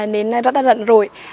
nên rất là rận rội